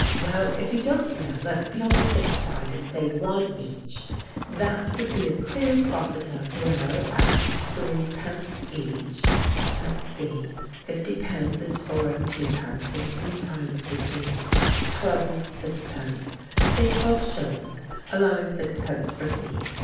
Oh, well, if you don't know, let's be on the safe side and say one each—that would be a clear profit of—well, at threepence each—let's see, fifty pence is four and twopence, and three times would be—twelve and sixpence—say twelve shillings, allowing sixpence for seed.